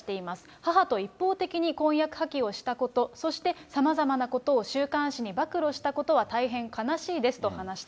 母と一方的に婚約破棄をしたこと、そしてさまざまなことを週刊誌に暴露したことは大変悲しいですと話した。